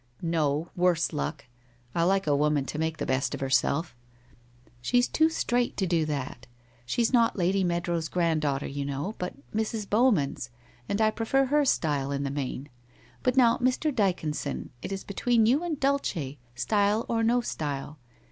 * No, worse luck ! I like a woman to make the best of herself/ ' She's too straight to do that. She's not Lady Mead row's granddaughter, you know, but Mrs. Bowman's, and I prefer her style in the main. But now, Mr. Dycon son, it is between you and Dulce — style or no style.